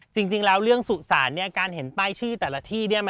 จริงแล้วเรื่องสุสานการเห็นป้ายชื่อแต่ละที่